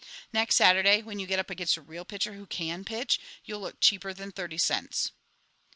Next Saturday, when you get up against a real pitcher who can pitch, you'll look cheaper than thirty cents."